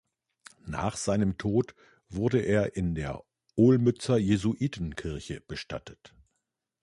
Nach seinem Tod wurde er in der Olmützer Jesuitenkirche bestattet.